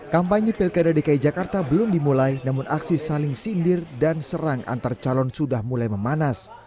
kampanye pilkada dki jakarta belum dimulai namun aksi saling sindir dan serang antar calon sudah mulai memanas